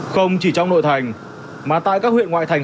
không chỉ trong nội thành mà tại các huyện ngoại thành